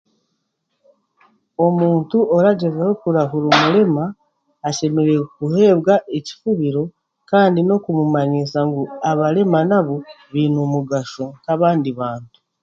Omuntu oragyezaho kurahura omurema ashemeriire kuhebwa ekifubiro kandi n'okumumanyisa ngu abarema nabo baine omugasho nk'abandi bantu.